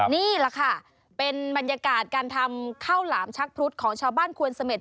นี้ล่ะค่ะเป็นบรรยากาศการทำข้าวหลามของชาวบ้านควนเสม็ด